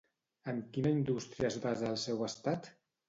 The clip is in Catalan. En quina indústria es basa el seu estat?